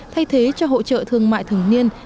thay thế cho hỗ trợ thương mại thường niên